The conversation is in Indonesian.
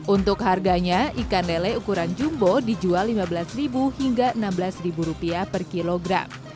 untuk harganya ikan lele ukuran jumbo dijual lima belas hingga rp enam belas per kilogram